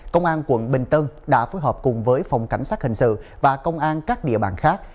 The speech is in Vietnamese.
công an quận bình tân đã phối hợp cùng với phòng cảnh sát hình sự và công an các địa bàn khác